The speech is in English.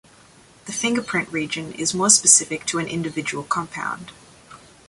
The fingerprint region is more specific to an individual compound.